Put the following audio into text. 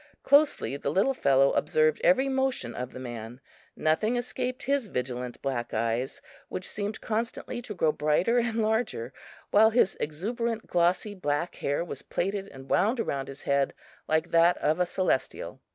Closely the little fellow observed every motion of the man; nothing escaped his vigilant black eyes, which seemed constantly to grow brighter and larger, while his exuberant glossy black hair was plaited and wound around his head like that of a Celestial.